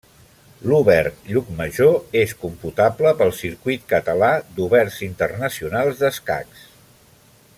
L'Obert Llucmajor és computable pel Circuit Català d'Oberts Internacionals d'Escacs.